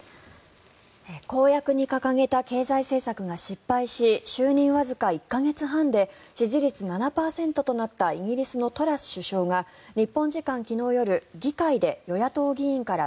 公約に掲げた経済政策が失敗し就任わずか１か月半で支持率７％となったイギリスのトラス首相が日本時間昨日夜議会で与野党議員から